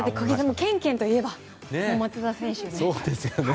ケンケンといえば松田選手ですよね。